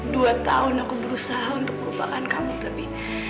dua tahun aku berusaha untuk melupakan kamu tapi